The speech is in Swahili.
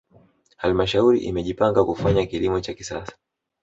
halmashauri imejipanga kufanya kilimo cha kisasa